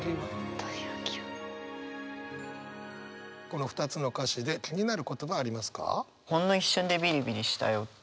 この２つの歌詞で気になる言葉ありますか？